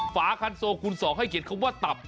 ฝาคันโซคูณ๒ให้เขียนคำว่าตับ